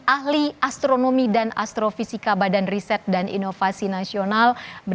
ahli astronomi dan astrofisika badan riset dan inovasi nasional